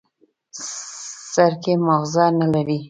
سر کې ماغزه نه لري.